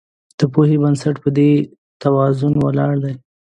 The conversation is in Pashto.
د پوهې بنسټ په دې توازن ولاړ دی.